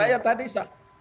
saya tadi pak